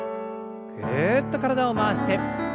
ぐるっと体を回して。